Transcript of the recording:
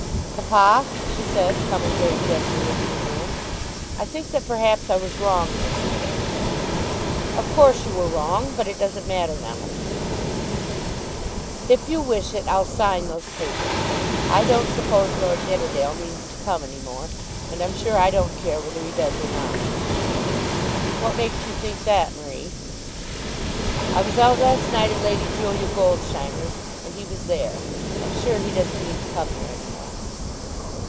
"Papa," she said, coming very gently into the room, "I think that perhaps I was wrong yesterday." "Of course you were wrong; but it doesn't matter now." "If you wish it I'll sign those papers. I don't suppose Lord Nidderdale means to come any more; and I'm sure I don't care whether he does or not." "What makes you think that, Marie?" "I was out last night at Lady Julia Goldsheiner's, and he was there. I'm sure he doesn't mean to come here any more."